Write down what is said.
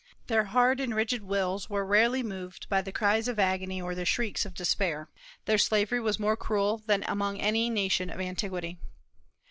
Their hard and rigid wills were rarely moved by the cries of agony or the shrieks of despair. Their slavery was more cruel than among any nation of antiquity.